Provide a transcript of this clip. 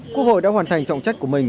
quốc hội đã hoàn thành trọng trách của mình